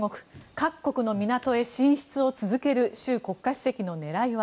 各国の港へ進出を続ける習国家主席の狙いは？